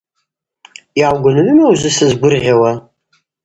Йгӏаугвынгӏвыма ужвы сызгвыргъьауа?